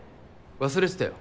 忘れてたよ